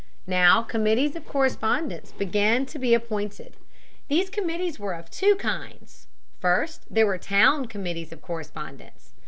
Now Committees of Correspondence began to be appointed. These committees were of two kinds. First there were town Committees of Correspondence.